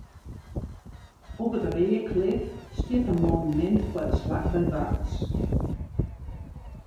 Op it Reaklif stiet in monumint foar de slach by Warns.